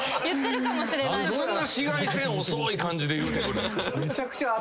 何でそんな紫外線遅い感じで言うてくるんですか。